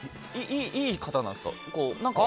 良い方なんですか？